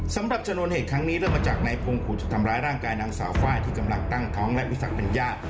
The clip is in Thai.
สำหรับชนวนเหตุครั้งนี้เริ่มมาจากนายพงขุดทำร้ายร่างกายนางสาวไฟล์ที่กำลังตั้งท้องและมีศักดิ์เป็นญาติ